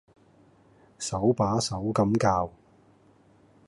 手把手咁教